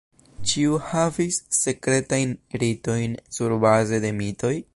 Ĉiu havis sekretajn ritojn surbaze de mitoj.